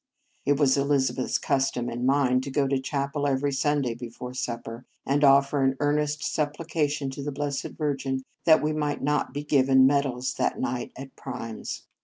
It was Elizabeth s custom and mine to go to the chapel every Sunday before supper, and offer an earnest supplication to the Blessed Virgin that we might not be given medals that night at Primes.